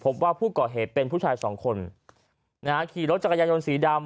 พบว่าผู้ก่อเหตุเป็นผู้ชายสองคนนะฮะขี่รถจักรยานยนต์สีดำ